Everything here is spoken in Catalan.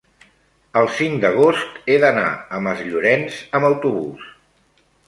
el cinc d'agost he d'anar a Masllorenç amb autobús.